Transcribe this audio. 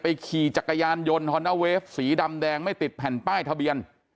ขี่จักรยานยนต์ฮอนด้าเวฟสีดำแดงไม่ติดแผ่นป้ายทะเบียน